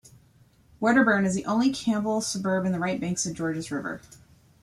Wedderburn is the only Campbelltown suburb on the right bank of the Georges River.